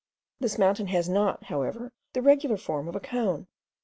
This mountain has not, however, the regular form of a cone.